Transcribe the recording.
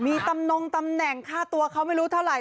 มีตำนงตำแหน่งค่าตัวเขาไม่รู้เท่าไหร